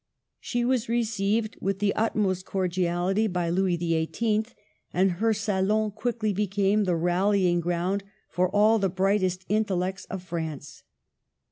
She was received with the utmost cordiality by Louis XVIII., and her salon quickly became the rallying ground for all the brightest intellects of France.